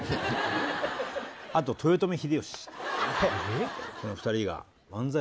あと豊臣秀吉。